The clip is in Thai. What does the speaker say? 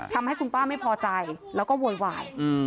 ทำให้คุณป้าไม่พอใจแล้วก็โวยวาย